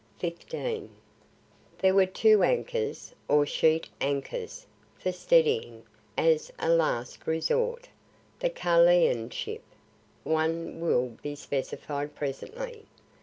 There were two anchors, or sheet anchors, for steadying, as a last resort, the Carlylean ship. One will be specified presently.